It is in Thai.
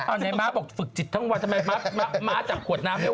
เอาไหนม้าบอกฝึกจิตทั้งวันทำไมม้าม้าจับขวดน้ำให้